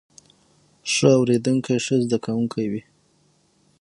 ښه اوریدونکی ښه زده کوونکی وي